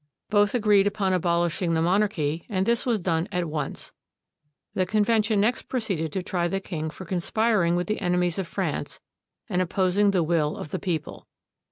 Both agreed upon abolishing the monarchy, and this was done at once. The convention next proceeded to try the king for conspiring with the enemies of France and opposing the will of the people.